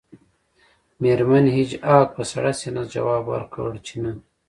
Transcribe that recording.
میرمن هیج هاګ په سړه سینه ځواب ورکړ چې نه